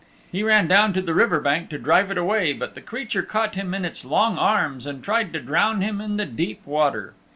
He ran down to the river bank to drive it away, but the creature caught him in its long arms and tried to drown him in the deep water.